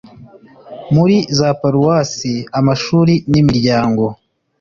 muri za paruwasi amashuli n imiryango